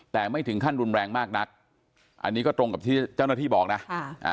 แต่ไม่ถึงขั้นรุนแรงมากนักอันนี้ก็ตรงกับที่เจ้าหน้าที่บอกนะค่ะอ่า